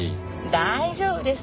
大丈夫です。